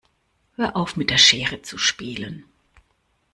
Hör auf mit der Schere zu spielen.